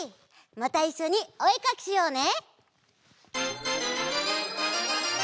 またいっしょにおえかきしようね！